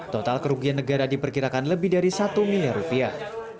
total kerugian negara diperkirakan lebih dari satu miliar rupiah